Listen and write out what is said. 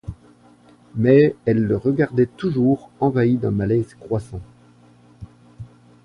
Mais elle le regardait toujours envahie d'un malaise croissant.